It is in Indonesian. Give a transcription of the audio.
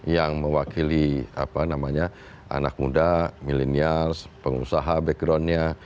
yang mewakili anak muda milenial pengusaha backgroundnya